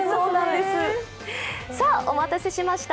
さあ、お待たせしました。